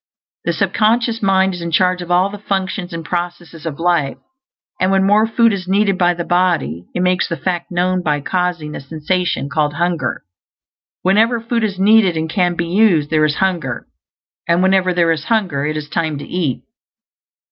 The sub conscious mind is in charge of all the functions and processes of life; and when more food is needed by the body, it makes the fact known by causing a sensation called hunger. Whenever food is needed, and can be used, there is hunger; and whenever there is hunger it is time to eat.